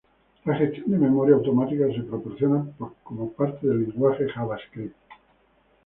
La gestión de memoria automática se proporciona como parte del lenguaje JavaScript.